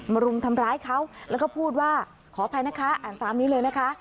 รุมทำร้ายเขาแล้วก็พูดว่าขออภัยนะคะอ่านตามนี้เลยนะคะ